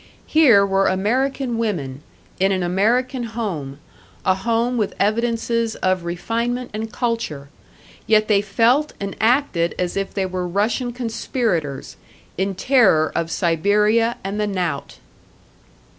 Here were American women, in an American home, a home with evidences of refinement and culture; yet they felt and acted as if they were Russian conspirators, in terror of Siberia and the knout!